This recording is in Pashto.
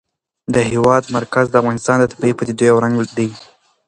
د هېواد مرکز د افغانستان د طبیعي پدیدو یو رنګ دی.